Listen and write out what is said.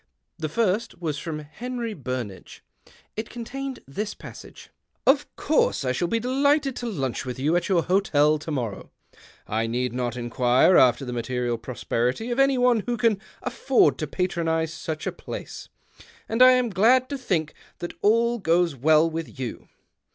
The first was from Henry Burnage. It contained this " Of course I shall be delighted to lunch with you at your hotel to morrow. I need not inquire after the material prosperit}^ of an}^ one who can aftbrd to patronize such a place, and I am glad to think that all goes well with you.